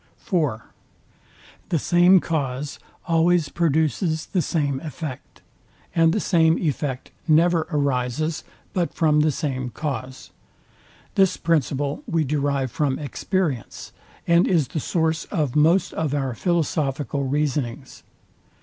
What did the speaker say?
(4) The same cause always produces the same effect, and the same effect never arises but from the same cause. This principle we derive from experience, and is the source of most of our philosophical reasonings.